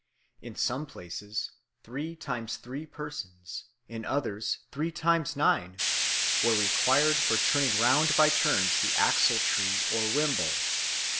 In some places three times three persons, in others three times nine, were required for turning round by turns the axle tree or wimble.